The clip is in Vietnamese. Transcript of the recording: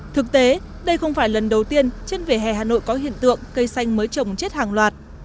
thực tế đây không phải lần đầu tiên trên vỉa hè hà nội có hiện tượng cây xanh mới trồng chết hàng loạt